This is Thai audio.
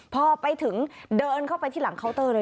พอไปถึงเดินเข้าไปที่หลังเคาน์เตอร์เลย